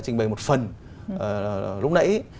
trình bày một phần lúc nãy